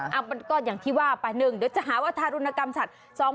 เอาแบบนี้ก็อย่างที่ว่าปะ๑เดี๋ยวจะหาวัฒน์รุนกรรมสัตว์